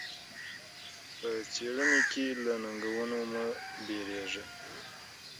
په څېړنه کي له ننګونو مه وېرېږه.